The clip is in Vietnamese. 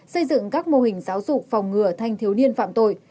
xây dựng các mô hình giáo dục phòng ngừa thanh thiếu niên phạm tội